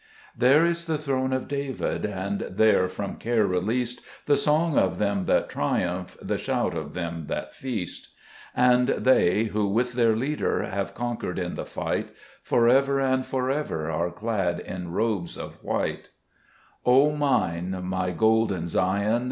3 There is the throne of David ; And there, from care released, The song of them that triumph, The shout of them that feast ; And they, who with their Leader Have conquered in the fight, For ever and for ever Are clad in robes of white. 28 Zbc IBcet Cburcb ibsmns. 4 O mine, my golden Zion